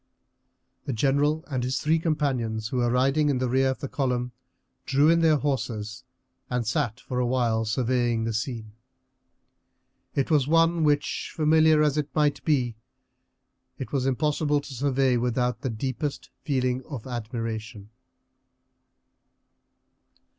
The general and his three companions, who were riding in the rear of the column, drew in their horses and sat for a while surveying the scene. It was one which, familiar as it might be, it was impossible to survey without the deepest feeling of admiration.